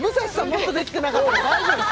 もっとできてなかったから大丈夫